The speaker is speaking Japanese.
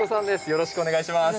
よろしくお願いします。